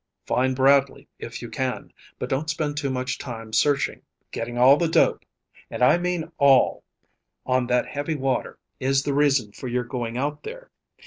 "Find Bradley. If you can. But don't spend too much time searching. Getting all the dope and I mean all on that heavy water is the reason for your going out there.